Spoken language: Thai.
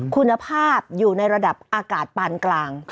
คุณภาพอยู่ในระดับอากาศปานกลาง